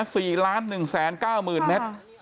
มันขึ้นเท่าไหร่นะ๔ล้าน๑แสน๙๐เมตร